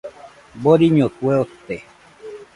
Doriño kue ote.